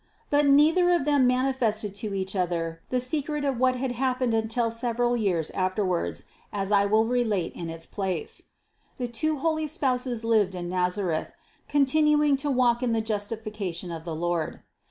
But neither of them manifested to each other the secret of what had happened until several years afterwards, as I will relate in its place (Part I, 184). The two holy spouses lived in Nazareth, continuing to walk in the justification of the Lord.